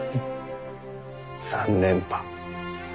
３連覇。